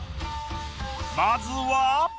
まずは。